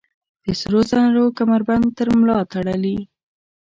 د سروزرو کمربند تر ملا تړلي